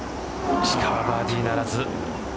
石川バーディーならず。